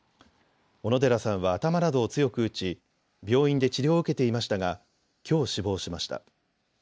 小野寺さんは頭などを強く打ち病院で治療を受けていましたがきょう死亡しました。